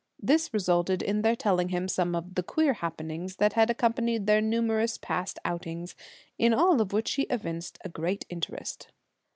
This resulted in their telling him some of the queer happenings that had accompanied their numerous past outings; in all of which he evinced great interest.